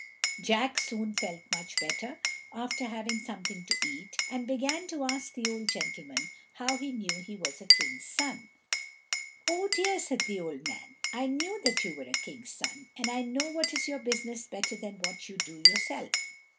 Jack soon felt much better after having something to eat, and began to ask the old gentleman how he knew he was a king's son. "Oh dear!" said the old man, "I knew that you were a king's son, and I know what is your business better than what you do yourself.